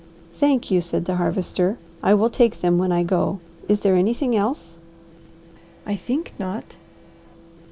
"Thank you," said the Harvester. "I will take them when I go. Is there anything else?" "I think not."